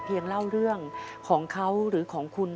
เล่าเรื่องของเขาหรือของคุณ